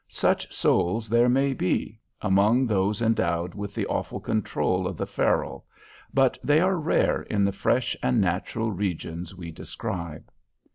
Such souls there may be, among those endowed with the awful control of the ferule, but they are rare in the fresh and natural regions we describe.